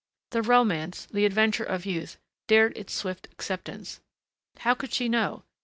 The romance, the adventure of youth, dared its swift acceptance. How could she know?